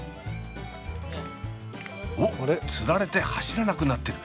おっつられて走らなくなってる！